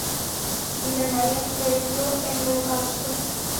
Su primer marido pereció en el Holocausto.